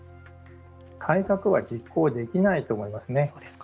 改革は実効できないと思いますね。